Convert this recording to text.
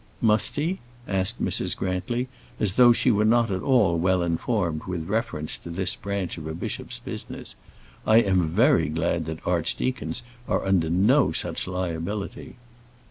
"Must he?" asked Mrs. Grantly, as though she were not at all well informed with reference to this branch of a bishop's business. "I am very glad that archdeacons are under no such liability."